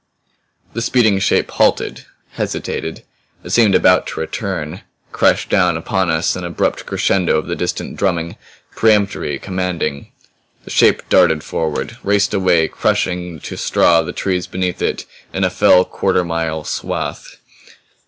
The speeding shape halted, hesitated; it seemed about to return. Crashed down upon us an abrupt crescendo of the distant drumming; peremptory, commanding. The shape darted forward; raced away crushing to straw the trees beneath it in a full quarter mile wide swath.